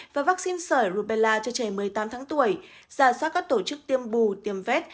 và vaccine sởi rubella cho trẻ một mươi tám tháng tuổi giả soát các tổ chức tiêm bù tiêm vét